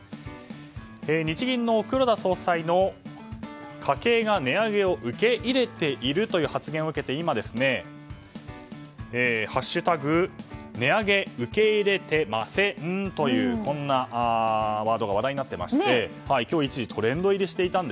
日銀の黒田総裁の家計が値上げを受け入れているという発言を受けて今「＃値上げ受け入れてません」というこんなワードが話題になっていまして今日一時トレンド入りしていました。